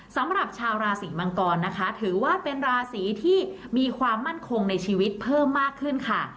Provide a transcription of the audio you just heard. สำหรับชาวราศีมังกรนะคะถือว่าเป็นราศีที่มีความมั่นคงในชีวิตเพิ่มมากขึ้นค่ะ